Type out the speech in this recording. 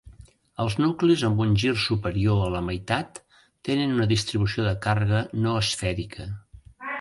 Els nuclis amb un gir superior a la meitat tenen una distribució de càrrega no esfèrica.